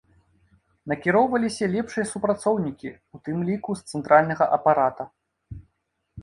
Накіроўваліся лепшыя супрацоўнікі, у тым ліку з цэнтральнага апарата.